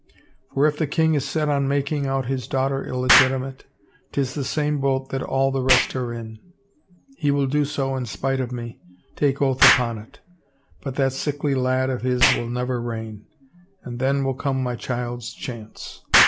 For if the king is set on making out his daughter illegitimate — 'tis the same boat that all the rest are in !— he will do so in spite of me, take oath upon 't. But that sickly lad of his will never reign — and then will come my child's chance.